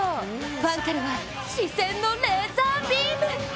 ファンからは視線のレーザービーム。